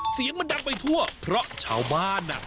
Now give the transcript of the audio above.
เสียงมันดังไปทั่วเพราะชาวบ้านอ่ะ